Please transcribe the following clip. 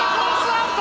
アウト！